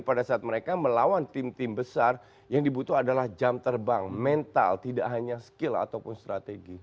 pada saat mereka melawan tim tim besar yang dibutuhkan adalah jam terbang mental tidak hanya skill ataupun strategi